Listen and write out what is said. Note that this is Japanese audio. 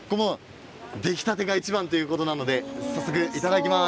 出来たてがいちばんということなので早速いただきます。